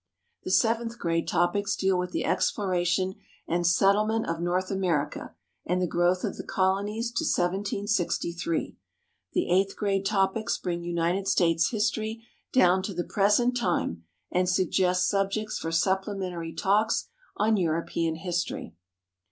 The seventh grade topics deal with the exploration and settlement of North America and the growth of the colonies to 1763. The eighth grade topics bring United States history down to the present time, and suggest subjects for supplementary talks on European history.